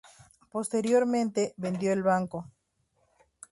Posteriormente vendió el barco.